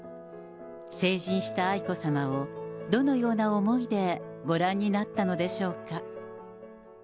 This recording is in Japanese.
成人した愛子さまをどのような思いでご覧になったのでしょうか。